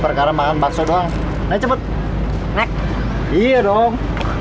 perkaraman bakso doang cepet cepet iya dong